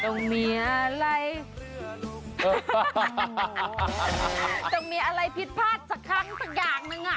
ต้องมีอะไรต้องมีอะไรผิดพลาดสักครั้งสักอย่างหนึ่งอ่ะ